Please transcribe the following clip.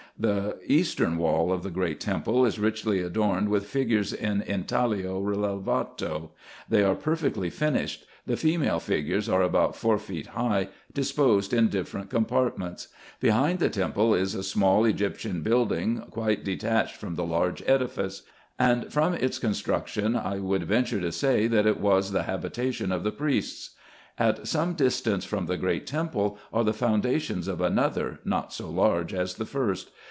The eastern wall of the great temple is richly adorned with figures in intaglio relevato : they are perfectly finished : the female figures are about four feet high, disposed in different compart ments. Behind the temple is a small Egyptian building, quite detached from the large edifice ; and from its construction I would venture to say, that it was the habitation of the priests. At some distance from the great temple are the foundations of another, not so large as the first.